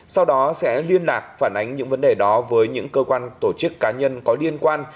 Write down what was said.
sau đó sẽ liên lạc phản ánh những vấn đề đó với những cơ quan tổ chức cá nhân có liên quan